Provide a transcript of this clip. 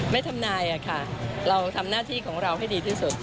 ไม่ทำนายอะค่ะเราทำหน้าที่ของเราให้ดีที่สุด